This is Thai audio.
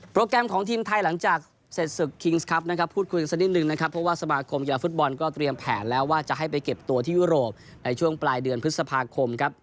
แกรมของทีมไทยหลังจากเสร็จศึกคิงส์ครับนะครับพูดคุยกันสักนิดนึงนะครับเพราะว่าสมาคมกีฬาฟุตบอลก็เตรียมแผนแล้วว่าจะให้ไปเก็บตัวที่ยุโรปในช่วงปลายเดือนพฤษภาคมครับ